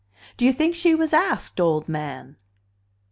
"Do you think she was asked, old man?"